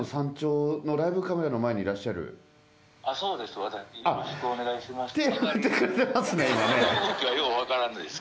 よろしくお願いします。